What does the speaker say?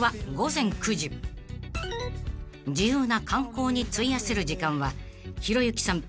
［自由な観光に費やせる時間はひろゆきさん